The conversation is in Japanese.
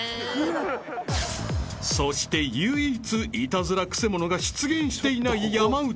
［そして唯一イタズラくせ者が出現していない山内は］